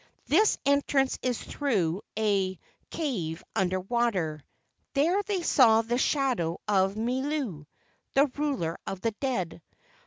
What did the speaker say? This entrance is through a KE AU NINI 179 cave under water. There they saw the shadow of Milu, the ruler of the dead.